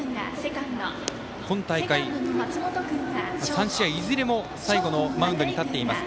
今大会、３試合いずれも最後のマウンドに立っています